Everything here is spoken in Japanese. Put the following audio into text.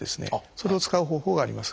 それを使う方法があります。